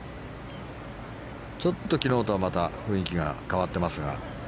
ちょっと、昨日とはまた雰囲気が変わってますが。